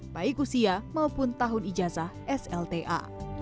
baik usia maupun tahun ijazah slta